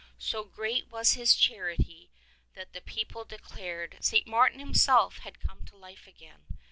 So great was his charity that the people declared 73 St. Martin himself had come to life again.